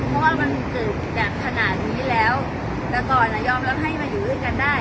เพราะว่ามันเกิดแบบขนาดนี้แล้วแต่ก่อนอ่ะยอมรับให้มาอยู่ด้วยกันได้